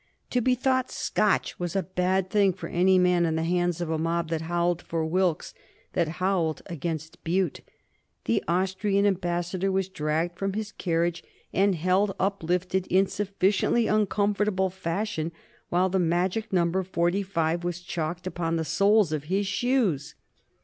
To be thought Scotch was a bad thing for any man in the hands of a mob that howled for Wilkes, that howled against Bute. The Austrian Ambassador was dragged from his carriage and held uplifted in sufficiently uncomfortable fashion while the magic number Forty five was chalked upon the soles of his shoes.